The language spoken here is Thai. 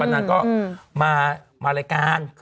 นางก็มารายการ